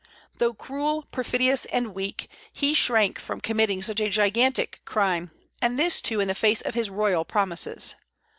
Though cruel, perfidious, and weak, he shrank from committing such a gigantic crime, and this too in the face of his royal promises.